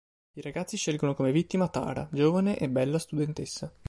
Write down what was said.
I ragazzi scelgono come vittima Tara, giovane e bella studentessa.